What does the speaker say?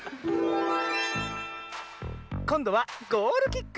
こんどはゴールキック。